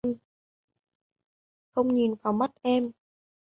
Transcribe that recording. Không nhìn vào mắt em